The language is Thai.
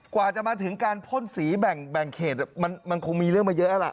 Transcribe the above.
กว่าจะมาถึงการพ่นสีแบ่งเขตมันคงมีเรื่องมาเยอะแล้วล่ะ